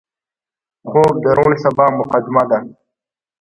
خوب د روڼ سبا مقدمه ده